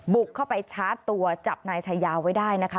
บุกเข้าไปชาร์จตัวจับนายชายาไว้ได้นะคะ